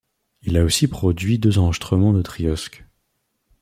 Il a aussi produit deux enregistrements de Triosk.